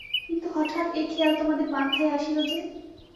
কিন্তু হঠাৎ এ খেয়াল তোমাদের মাথায় আসিল যে?